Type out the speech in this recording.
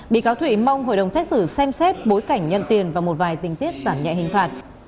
bị cáo thủy mong hội đồng xét xử xem xét bối cảnh nhận tiền và một vài tình tiết giảm nhẹ hình phạt